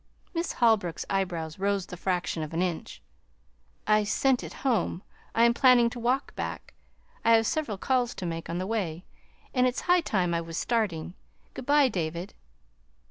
Miss Holbrook's eyebrows rose the fraction of an inch. "I sent it home. I am planning to walk back. I have several calls to make on the way; and it's high time I was starting. Good bye, David."